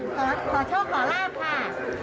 ขอช่วงขอลาดค่ะ